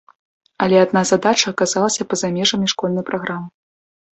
Але адна задача аказалася па-за межамі школьнай праграмы.